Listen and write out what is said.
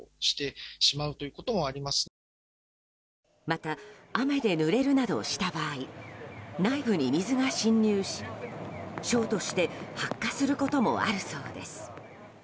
また、雨でぬれるなどした場合内部に水が浸入しショートして発火することもあるそうです。